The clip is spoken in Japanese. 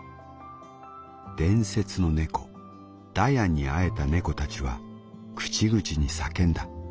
伝説の猫ダヤンに会えた猫たちは口々に叫んだ」。